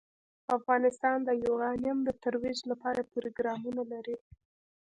افغانستان د یورانیم د ترویج لپاره پروګرامونه لري.